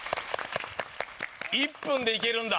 １分でいけるんだ。